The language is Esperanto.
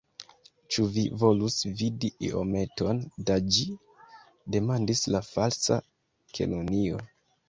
"Ĉu vi volus vidi iometon da ĝi?" demandis la Falsa Kelonio.